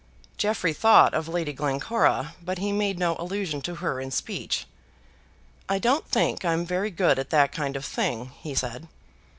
Jeffrey thought of Lady Glencora, but he made no allusion to her in speech. "I don't think I'm very good at that kind of thing," he said.